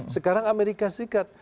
sekarang amerika serikat